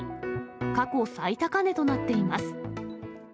過去最高値となっています。